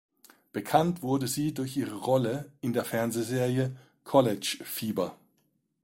Bekannt wurde sie durch ihre Rolle in der Fernsehserie "College Fieber".